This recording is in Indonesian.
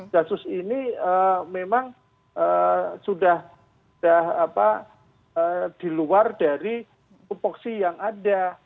gasus ini memang sudah diluar dari provoksi yang ada